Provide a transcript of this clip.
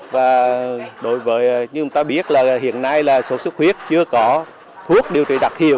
như chúng ta biết hiện nay là xuất xuất huyết chưa có thuốc điều trị đặc hiệu